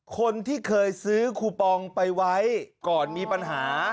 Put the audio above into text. คนที่เคยซื้อคูปองไปไว้ก่อนมีปัญหา